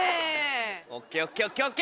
ＯＫＯＫＯＫＯＫ！